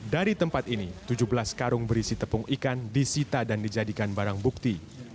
dari tempat ini tujuh belas karung berisi tepung ikan disita dan dijadikan barang bukti